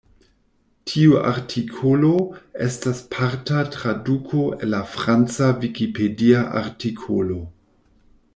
Tiu artikolo estas parta traduko el la franca Vikipedia artikolo.